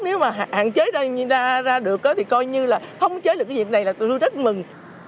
nếu mà hạn chế ra đường thì coi như là không chế được cái việc này là tôi rất mừng